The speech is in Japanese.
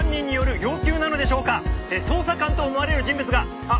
「捜査官と思われる人物があっ